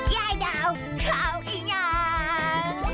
ย่าดาวข้าวอินยัง